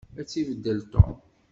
Ad tt-ibeddel Tom.